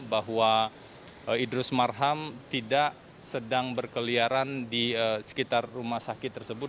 bahwa idrus marham tidak sedang berkeliaran di sekitar rumah sakit tersebut